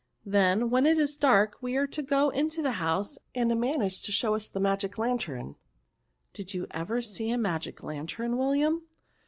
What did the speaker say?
Then, when it is dark, we are to go into the house, and a man is to show us the magic lantern. Did you ever see a magic lantern, William